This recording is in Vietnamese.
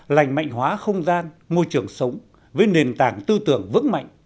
lành mạnh hóa không gian môi trường sống với nền tảng tư tưởng vững mạnh